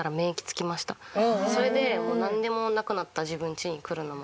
それでもうなんでもなくなった自分ちに来るのも。